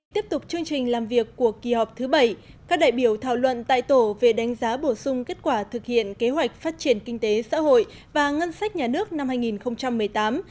tiếp tục chương trình làm việc của kỳ họp thứ bảy các đại biểu thảo luận tại tổ về đánh giá bổ sung kết quả thực hiện kế hoạch phát triển kinh tế xã hội và ngân sách nhà nước năm hai nghìn một mươi tám